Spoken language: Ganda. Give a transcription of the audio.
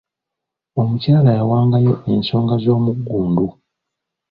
Omukyala yawangayo ensonga z'omugundu.